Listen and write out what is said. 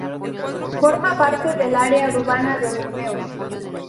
Forma parte del área urbana de Burdeos.